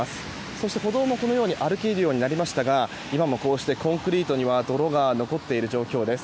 そして、歩道も歩けるようになりましたが今もコンクリートには泥が残っている状況です。